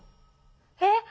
えっ？